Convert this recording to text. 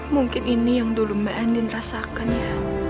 mungkin ini yang dulu mbak andin rasakan ya